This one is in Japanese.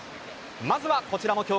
まずはこちらも驚愕。